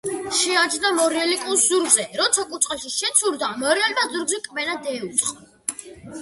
შეაჯდა მორიელი კუს ზურგზე. როცა კუ წყალში შეცურდა, მორიელმა ზურგზე კბენა დაუწყო.